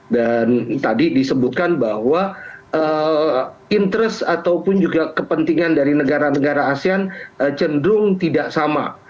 dan tadi disebutkan bahwa interest ataupun juga kepentingan dari negara negara asean cenderung tidak sama